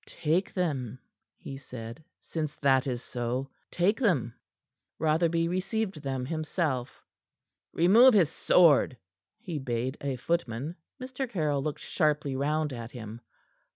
"Take them," he said. "Since that is so take them." Rotherby received them himself. "Remove his sword," he bade a footman. Mr. Caryll looked sharply round at him.